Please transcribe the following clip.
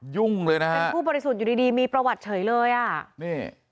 ยุ่งเลยนะเป็นผู้ปฏิสุนอยู่ดีมีประวัติเฉยเลยอ่ะ